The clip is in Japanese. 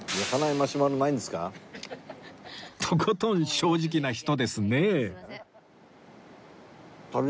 とことん正直な人ですねえ